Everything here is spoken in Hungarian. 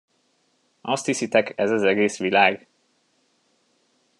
Azt hiszitek, ez az egész világ?